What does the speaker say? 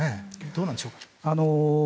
どうなんでしょうか？